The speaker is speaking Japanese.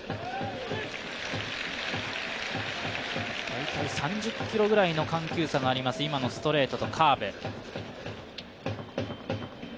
大体３０キロぐらいの緩急差があります、今のストレートとカーブ。